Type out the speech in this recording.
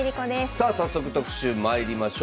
さあ早速特集まいりましょう。